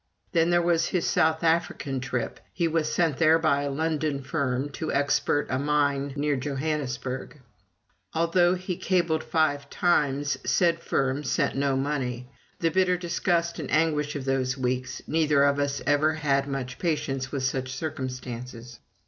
Then there was his South African trip. He was sent there by a London firm, to expert a mine near Johannesburg. Although he cabled five times, said firm sent no money. The bitter disgust and anguish of those weeks neither of us ever had much patience under such circumstances.